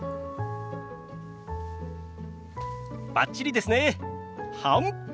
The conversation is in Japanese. バッチリですね。はむっ。